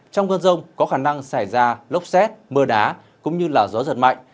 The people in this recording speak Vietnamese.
trong cơn rông có khả năng xảy ra lốc xét mưa đá cũng như gió giật mạnh